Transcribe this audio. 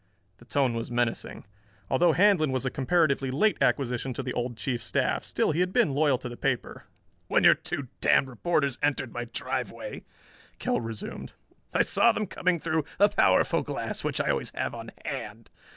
The tone was menacing. Although Handlon was a comparatively late acquisition to the old Chief's staff, still he had been loyal to the paper. "When your two damned reporters entered my driveway," Kell resumed. "I saw them coming through a powerful glass which I always have on hand.